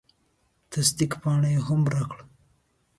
تصدیق پاڼه یې هم راکړه.